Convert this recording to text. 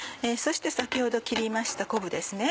そして先ほど切りました昆布です。